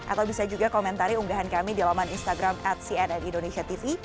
atau bisa juga komentari unggahan kami di laman instagram at cnn indonesia tv